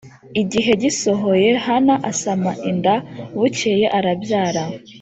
Igihe gisohoye Hana asama inda bukeye arabyara